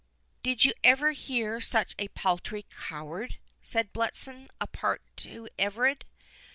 "Did you ever hear such a paltry coward?" said Bletson, apart to Everard.